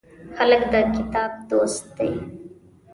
هلک د کتاب دوست دی.